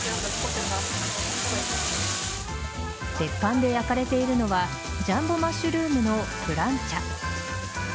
鉄板で焼かれているのはジャンボマッシュルームのプランチャ。